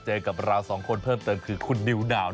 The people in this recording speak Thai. เจอกับเราสองคนเพิ่มเติมคือคุณนิวนาว